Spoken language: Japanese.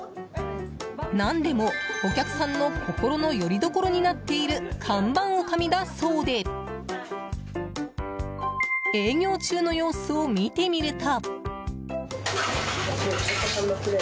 何でもお客さんの心のよりどころになっている看板おかみだそうで営業中の様子を見てみると。